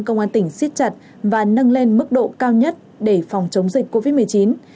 công an tỉnh xiết chặt và nâng lên mức độ cao nhất để phòng chống dịch covid một mươi chín